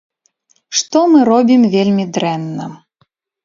Што мы робім вельмі дрэнна.